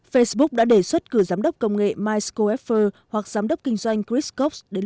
facebook đã đề xuất cử giám đốc công nghệ mike schoepfer hoặc giám đốc kinh doanh chris cox đến